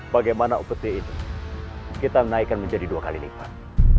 bagaimana upeti itu kita menaikkan menjadi dua kali lipat